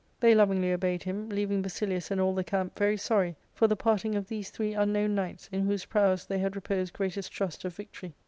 They lovingly " obeyed him, leaving Basilius and all the camp very sorry for the parting of these three unknown knights, in whose prowess they had reposed greatest trust of victory.